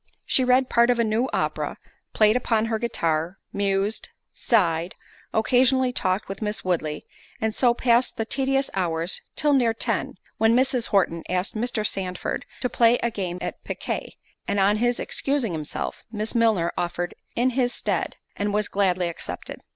She read part of a new opera, played upon her guitar, mused, sighed, occasionally talked with Miss Woodley, and so passed the tedious hours till near ten, when Mrs. Horton asked Mr. Sandford to play a game at piquet, and on his excusing himself, Miss Milner offered in his stead, and was gladly accepted.